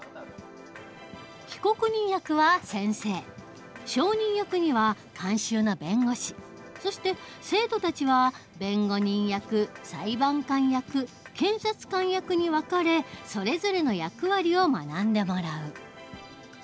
被告人役は先生証人役には監修の弁護士そして生徒たちは弁護人役裁判官役検察官役に分かれそれぞれの役割を学んでもらう。